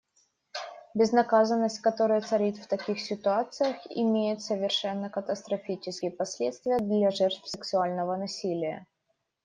Безнаказанность, которая царит в таких ситуациях, имеет совершенно катастрофические последствия для жертв сексуального насилия.